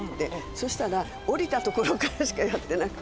そしたら下りたところからしかやってなくて。